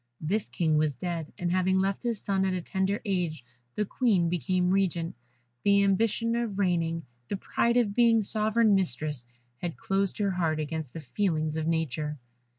This King was dead, and having left his son at a tender age, the Queen became regent. The ambition of reigning, the pride of being Sovereign Mistress, had closed her heart against the feelings of nature.